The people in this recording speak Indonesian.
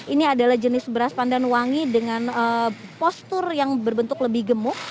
ini adalah jenis beras pandan wangi dengan postur yang berbentuk lebih gemuk